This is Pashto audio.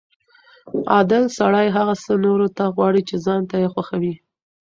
عادل سړی هغه څه نورو ته غواړي چې ځان ته یې خوښوي.